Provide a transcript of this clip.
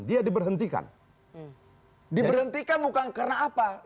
diberhentikan bukan karena apa